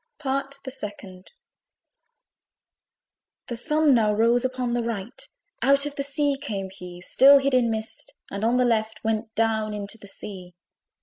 PART THE SECOND. The Sun now rose upon the right: Out of the sea came he, Still hid in mist, and on the left Went down into the sea.